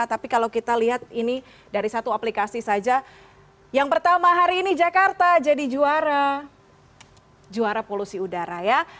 tapi kalau kita lihat ini dari satu aplikasi saja yang pertama hari ini jakarta jadi juara polusi udara ya